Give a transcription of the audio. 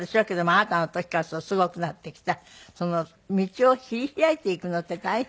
あなたの時からすごくなってきたその道を切り開いていくのって大変でしょ？